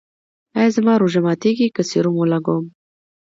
ایا زما روژه ماتیږي که سیروم ولګوم؟